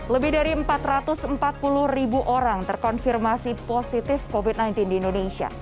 lebih dari empat ratus empat puluh ribu orang terkonfirmasi positif covid sembilan belas di indonesia